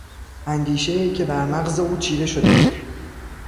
اندیشهای که برمغز او چیره شده بود.